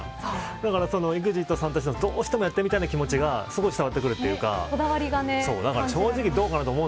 だからＥＸＩＴさんたちのどうしてもやってみたいの気持ちがすごい伝わってくるというかだから、正直どうかなと思う